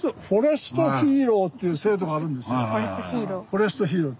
フォレストヒーロー。